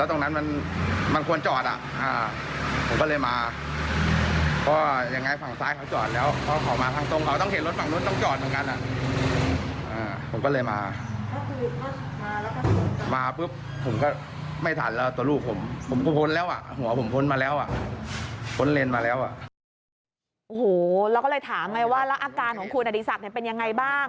โอ้โหเราก็เลยถามไงว่าแล้วอาการของคุณอดีศักดิ์เป็นยังไงบ้าง